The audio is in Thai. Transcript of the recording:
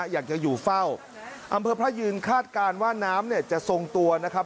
อยากจะอยู่เฝ้าอำเภอพระยืนคาดการณ์ว่าน้ำเนี่ยจะทรงตัวนะครับ